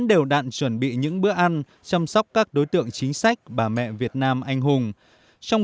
mẹ đặng thị nhung